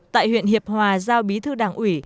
tại huyện hiệp hòa giao bí thư đảng ủy